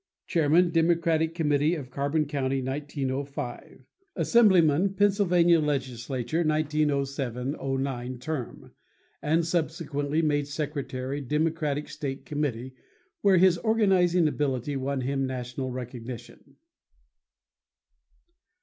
Chairman Democratic Committee of Carbon County, 1905. Assemblyman, Pennsylvania Legislature, 1907 09 term, and subsequently made Secretary Democratic State Committee, where his organizing ability won him national recognition.